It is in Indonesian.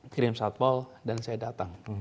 kirim satpol dan saya datang